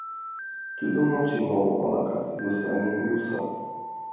Тудым ончен, моло-влакат йӧсланен нюслат.